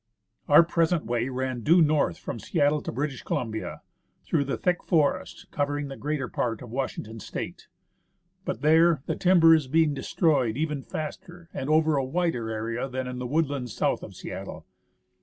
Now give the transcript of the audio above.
Our present way ran due north from Seattle to British' Columbia, through the thick forests" covering the greater part of Washington State. But there the timber is being destroyed even faster and over a wider area than in the woodlands south of Seattle.